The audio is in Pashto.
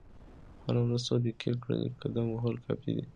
هره ورځ څو دقیقې ګړندی قدم وهل کافي دي.